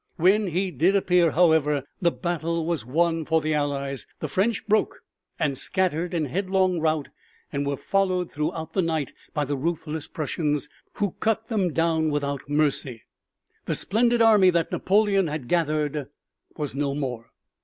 When he did appear, however, the battle was won for the Allies. The French broke and scattered in headlong rout and were followed throughout the night by the ruthless Prussians, who cut them down without mercy. The splendid army that Napoleon had gathered was no more.